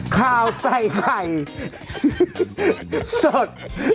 ข่าวใส่ไข่สด